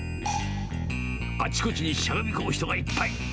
あちこちにしゃがみ込む人がいっぱい。